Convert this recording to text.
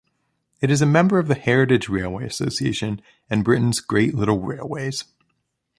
It is a member of the Heritage Railway Association and Britains Great Little Railways.